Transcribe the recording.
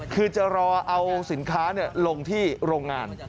คือจะรอเอาสินค้าลงที่โรงงาน